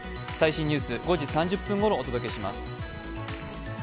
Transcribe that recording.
最新ニュース、５時３０分ごろお届けします。